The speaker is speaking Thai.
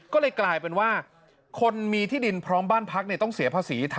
ก็เลยกลายเป็นว่าคนมีที่ดินพร้อมบ้านพักต้องเสียภาษี